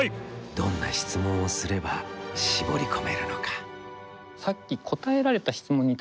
どんな質問をすれば絞り込めるのか？